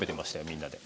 みんなで。